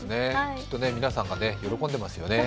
きっと皆さんが喜んでいますよね。